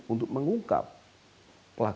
untuk mengungkap pelakunya itu siapa saja